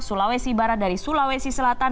sulawesi barat dari sulawesi selatan